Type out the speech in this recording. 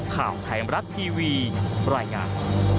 ข่าวไทยมรัฐทีวีรายงาน